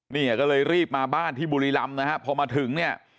เนี่ยก็เลยรีบมาบ้านที่บุรีรำนะฮะพอมาถึงเนี่ย